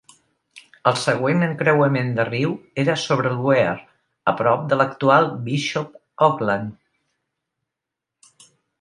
El següent encreuament de riu era sobre el Wear, a prop de l'actual Bishop Auckland.